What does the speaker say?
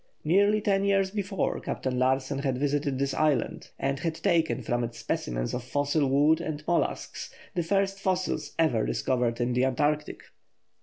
Nearly ten years before Captain Larsen had visited this island, and had taken from it specimens of fossil wood and molluscs, the first fossils ever discovered in the Antarctic.